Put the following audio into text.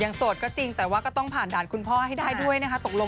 โสดก็จริงแต่ว่าก็ต้องผ่านด่านคุณพ่อให้ได้ด้วยนะคะตกลง